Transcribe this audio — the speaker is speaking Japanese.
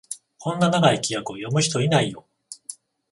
こんな長い規約、読む人いないよ